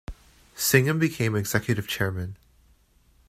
Singham became Executive chairman.